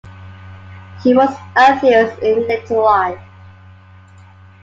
He was an atheist in later life.